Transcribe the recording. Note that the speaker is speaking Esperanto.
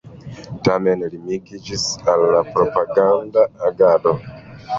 Tamen limiĝis al propaganda agado.